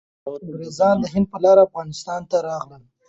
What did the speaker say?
انګریزان د هند په لاره افغانستان ته راغلل.